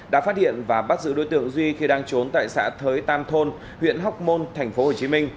đã phát hiện và bắt giữ đối tượng duy khi đang trốn tại xã thới tam thôn huyện hóc môn tp hcm